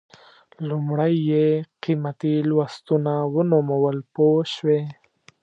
لومړی یې قیمتي لوستونه ونومول پوه شوې!.